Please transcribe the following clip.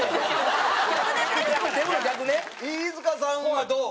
飯塚さんはどう？